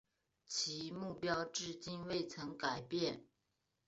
其目标至今未曾改变。